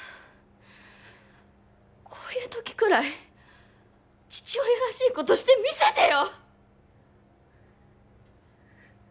こういう時くらい父親らしいことしてみせてよ！